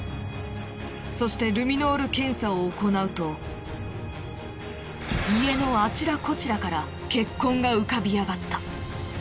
そしてルミノール検査を行うと家のあちらこちらから血痕が浮かび上がった。